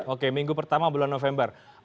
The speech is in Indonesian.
oke minggu pertama bulan november